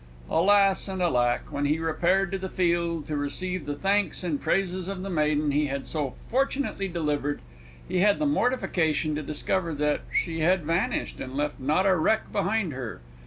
Alas and alack! when he repaired to the field to receive the thanks and praises of the maiden he had so fortunately delivered, he had the mortification to discover that she had vanished, and left not a wreck behind her!